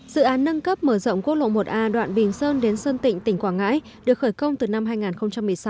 dự án nâng cấp mở rộng quốc lộ một a đoạn bình sơn đến sơn tịnh tỉnh quảng ngãi được khởi công từ năm hai nghìn một mươi sáu